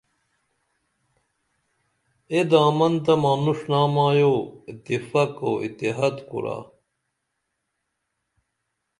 اے دامن تہ مانُݜ نامایو اتفاق و اتحاد کُرا